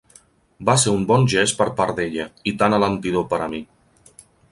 Va ser un bon gest per part d'ella; i tant alentidor per a mi!